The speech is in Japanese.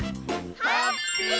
ハッピー！